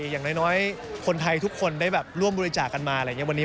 อย่างน้อยคนไทยทุกคนได้ร่วมบริจาคันมาอะไรอย่างนี้